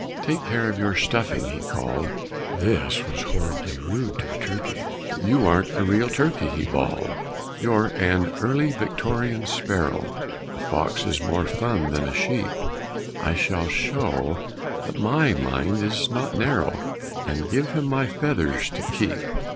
"Take care of your stuffing!" he called. (This was horribly rude to a turkey!) "But you aren't a real turkey," he bawled. "You're an Early Victorian Sparrow! A fox is more fun than a sheep! I shall show that my mind is not narrow And give him my feathers to keep."